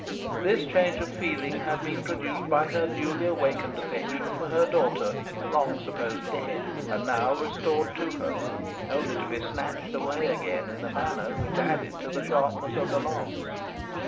This change of feeling had been produced by her newly awakened affection for her daughter, long supposed dead, and now restored to her, only to be snatched away again in a manner which added to the sharpness of the loss.